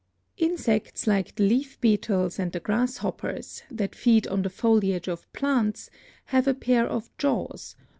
"Insects like the leaf beetles and the grasshoppers, that feed on the foliage of plants, have a pair of jaws, broad Fig.